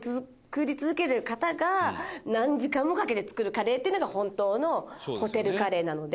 「何時間もかけて作るカレーっていうのが本当のホテルカレーなので」